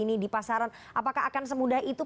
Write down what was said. ini di pasaran apakah akan semudah itu